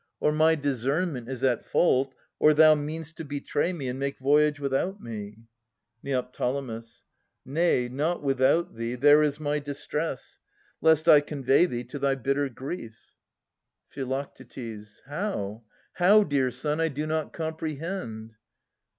Or my discernment is at fault, or thou Mean'st to betray me and make voyage without me. Neo. Nay, not without thee, there is my distress ! Lest I convey thee to thy bitter grief. Phi. How? How, dear son? I do not comprehend.